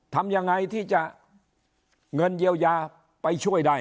ทำยังไงที่จะเงินเยียวยาไปช่วยได้